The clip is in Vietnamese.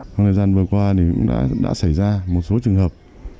trong thời gian vừa qua đã xảy ra một số trường hợp